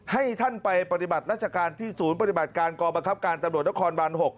ให้ท่านไปปฏิบัติราชการที่ศูนย์ปฏิบัติการกองบังคับการตำรวจนครบาน๖